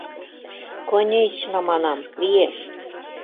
— Конечно, манам, лиеш.